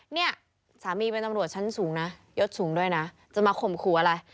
เนี่ยสามีเป็นตำรวจชั้นสูงนะยศสูงด้วยนะจะมาข่มขู่อะไร